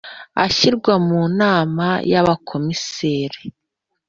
Ashyirwa mu nama y abakomiseri